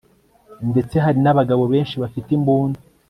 ndetse hari nabagabo benshi bafite imbunda